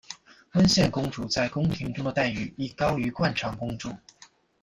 温宪公主在宫廷中的待遇亦高于惯常公主。